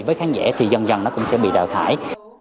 với khán giả thì dần dần nó cũng sẽ bị đào thải